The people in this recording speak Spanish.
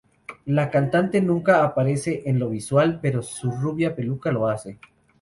La cantante nunca aparece en lo visual, pero su rubia peluca lo hace.